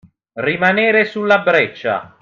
Rimanere sulla breccia.